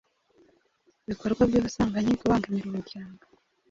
ibikorwa byubusambanyi, Kubangamira umuryango,